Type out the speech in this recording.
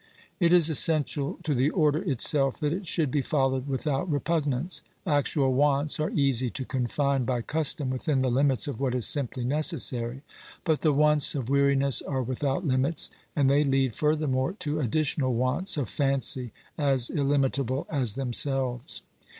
It is essential to the order itself that it should be followed without repugnance ; actual wants are easy to confine by custom within the limits of what is simply necessary ; but the wants of weariness are without limits, and they lead futhermore to additional wants of fancy as illimitable as themselves.